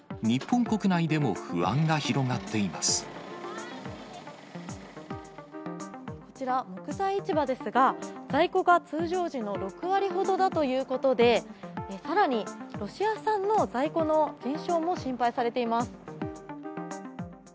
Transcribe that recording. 日本国内でも不安が広がってこちら、木材市場ですが、在庫が通常時の６割ほどだということで、さらにロシア産の在庫の減少も心配されています。